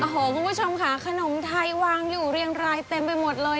โอ้โหคุณผู้ชมค่ะขนมไทยวางอยู่เรียงรายเต็มไปหมดเลย